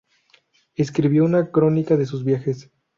Escribió una crónica de sus viajes.